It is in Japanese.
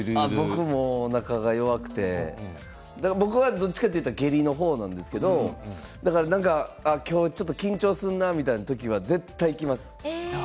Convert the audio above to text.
僕も、おなかが緩くてどちらかというと下痢の方なんですけれど今日ちょっと緊張するなという時は絶対にきます。